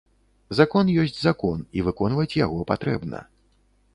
Закон ёсць закон, і выконваць яго патрэбна.